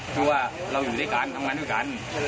คือว่าเราอยู่ด้วยกันทำงานด้วยกัน